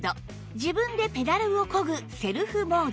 自分でペダルを漕ぐセルフモード